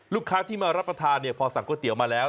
ลูกค้าที่มารับประทานเนี่ยพอสั่งก๋วยเตี๋ยวมาแล้ว